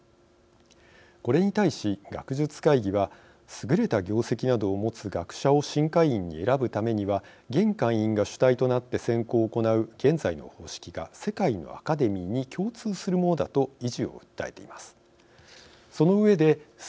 これに対し、学術会議は優れた業績などを持つ学者を新会員に選ぶためには現会員が主体となって選考を行う現在の方式が世界のアカデミーに共通するものだと維持を訴えています。